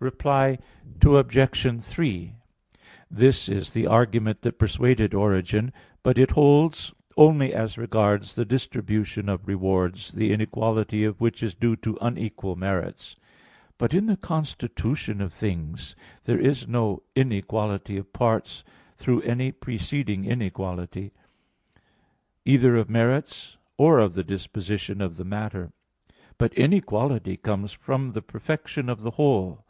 Reply Obj. 3: This is the argument that persuaded Origen: but it holds only as regards the distribution of rewards, the inequality of which is due to unequal merits. But in the constitution of things there is no inequality of parts through any preceding inequality, either of merits or of the disposition of the matter; but inequality comes from the perfection of the whole.